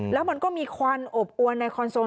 แล้วมันก็มีควันอบอวนในคอนโซล